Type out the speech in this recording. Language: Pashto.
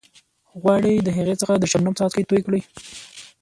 غواړئ د هغې څخه د شبنم څاڅکي توئ کړئ.